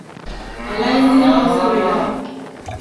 Ala ez dira gauza bera?